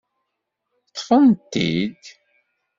Ṭṭfen-t-id.